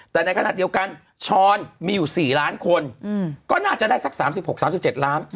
แต่ในขณะเดียวกันช้อนมีอยู่๔ล้านคนก็น่าจะได้สัก๓๖๓๗ล้าน